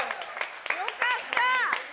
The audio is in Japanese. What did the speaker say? よかった！